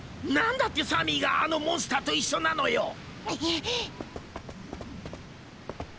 何だってサミーがあのモンスターと一緒なのよ？